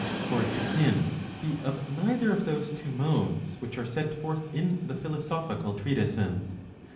For it can be of neither of those two modes which are set forth in the philosophical treatises.